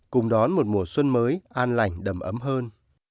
cùng đón một mùa xuân mới an lành đầm ấm hơn